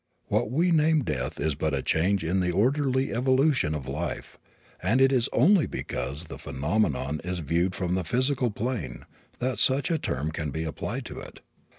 What we name "death" is but a change in the orderly evolution of life, and it is only because the phenomenon is viewed from the physical plane that such a term can be applied to it.